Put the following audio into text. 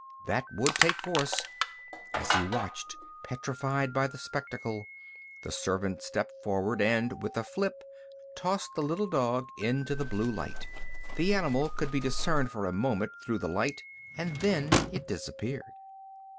That would take force! As he watched, petrified by the spectacle, the servant stepped forward and, with a flip, tossed the little dog into the blue light. The animal could be discerned for a moment through the light and then it disappeared.